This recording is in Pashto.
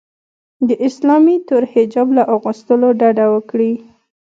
د اسلامي تور حجاب له اغوستلو ډډه وکړي